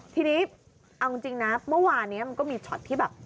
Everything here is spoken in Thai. ทีนี้เอาจริงนะเมื่อวานนี้มันก็มีช็อตที่แบบ